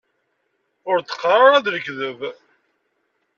Ur d-qqar ara d lekdeb!